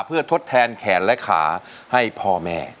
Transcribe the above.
เพื่อทดแทนแขนและขาให้พ่อแม่